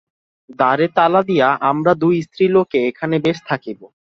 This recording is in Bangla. দ্বারে তালা দিয়া আমরা দুই স্ত্রীলোকে এখানে বেশ থাকিব।